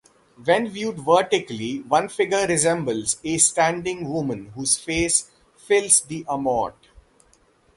When viewed vertically one figure resembles a standing woman whose face fills the amaut.